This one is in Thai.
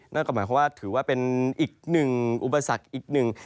นั่นก็หมายความว่าถือว่าเป็นอีกหนึ่งอุปสรรคอีกหนึ่ง